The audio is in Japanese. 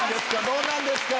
どうなんですか？